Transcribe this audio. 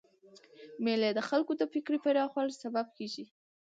مېلې د خلکو د فکري پراخوالي سبب کېږي.